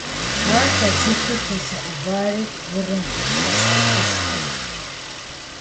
Ар хэзыхыу тезыгъэувари Урым пащтыхьышхуэрщ.